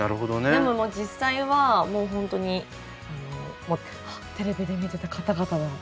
でも実際はホントに「あテレビで見てた方々だ。